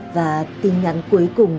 và tin nhắn cuối cùng